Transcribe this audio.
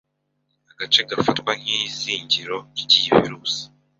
agace gafatwa nk'izingiro ry'iyi virus